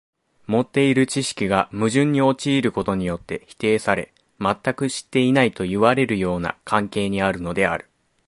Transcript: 持っている知識が矛盾に陥ることによって否定され、全く知っていないといわれるような関係にあるのである。